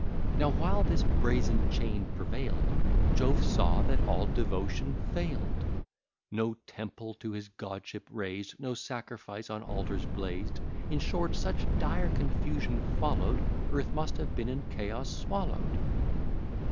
Now while this brazen chain prevail'd, Jove saw that all devotion fail'd; No temple to his godship raised; No sacrifice on altars blazed; In short, such dire confusion follow'd, Earth must have been in chaos swallow'd.